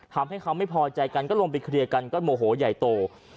ทำให้เขาไม่พอใจกันก็ลงไปเคลียร์กันก็โมโหใหญ่โต